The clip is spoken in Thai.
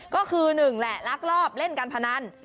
ก็คือ๑แหละลักลอบเล่นการพนัน